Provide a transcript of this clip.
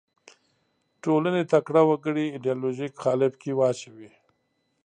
ټولنې تکړه وګړي ایدیالوژیک قالب کې واچوي